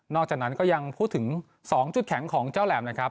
จากนั้นก็ยังพูดถึง๒จุดแข็งของเจ้าแหลมนะครับ